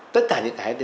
tất cả những cái